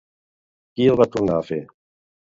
Qui el va tornar a fer?